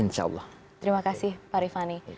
insya allah terima kasih pak rifani